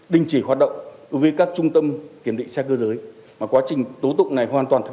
đình chỉ hoạt động đối với các trung tâm kiểm định xe cơ giới mà quá trình tố tụng này hoàn toàn